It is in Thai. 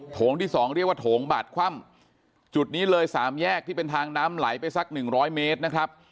โงที่สองเรียกว่าโถงบาดคว่ำจุดนี้เลยสามแยกที่เป็นทางน้ำไหลไปสักหนึ่งร้อยเมตรนะครับ